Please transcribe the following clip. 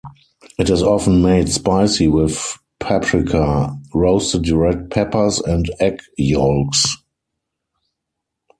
It is often made spicy with paprika, roasted red peppers and egg yolks.